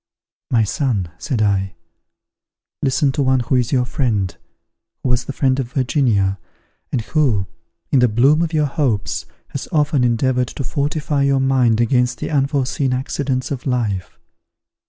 "My son," said I, "listen to one who is your friend, who was the friend of Virginia, and who, in the bloom of your hopes, has often endeavoured to fortify your mind against the unforeseen accidents of life.